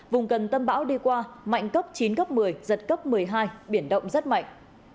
vùng gần tâm bão đi qua mạnh cấp chín cấp một mươi giật cấp một mươi hai biển động rất mạnh